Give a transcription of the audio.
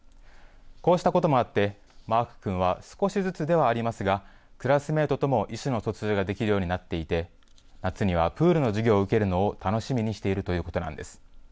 こうしたこともあって、マーク君は少しずつではありますが、クラスメートとも意思の疎通ができるようになっていて、夏にはプールの授業を受けるのを楽しみにしているということなんです。